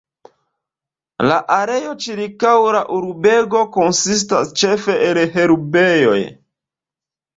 La areo ĉirkaŭ la urbego konsistas ĉefe el herbejoj.